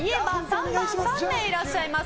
３番、３名いらっしゃいます。